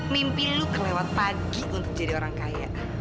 mimpi lo kelewat pagi untuk jadi orang kaya